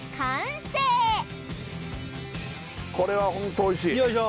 これはホントおいしいよいしょ